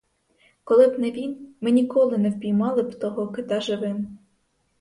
Коли б не він, ми ніколи не впіймали б того кита живим.